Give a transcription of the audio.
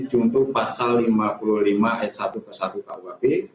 contoh pasal lima puluh lima s satu ke satu kuhp